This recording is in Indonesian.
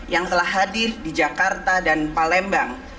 yang telah hadir di jakarta dan palembang